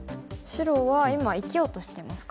白は今生きようとしてますか？